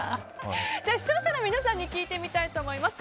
視聴者の皆さんに聞いてみたいと思います。